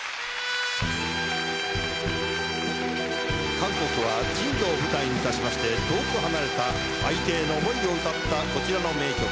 韓国は珍島を舞台にいたしまして遠く離れた相手への思いをうたったこちらの名曲。